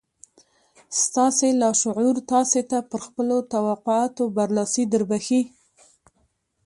ستاسې لاشعور تاسې ته پر خپلو توقعاتو برلاسي دربښي.